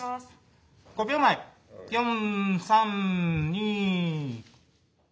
５秒前４３２。